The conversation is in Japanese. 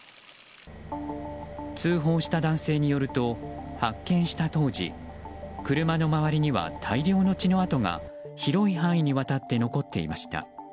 通報した男性によると発見した当時車の周りには大量の血の痕が広い範囲にわたって残っていました。